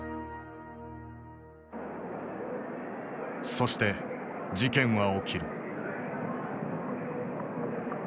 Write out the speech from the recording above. そして事件は起きる。